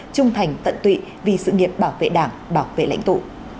trung thành tận tụy vì sự nghiệp bảo vệ đảng bảo vệ lãnh tụ